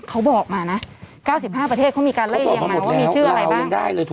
เขาบอกมานะ๙๕ประเทศเขามีการไล่เรียงมาว่ามีชื่ออะไรบ้าง